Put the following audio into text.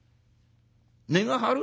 「値が張る？